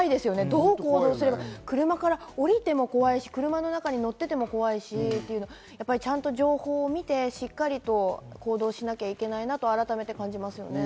どう行動すればいいのか、車から降りても怖いし、中に乗っていても怖いし、ちゃんと情報を見て、しっかりと行動しなきゃいけないなと改めて感じますね。